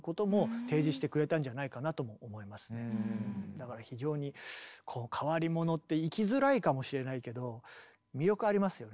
だから非常にこう変わり者って生きづらいかもしれないけど魅力ありますよね。